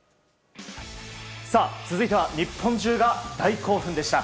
続いては日本中が大興奮でした。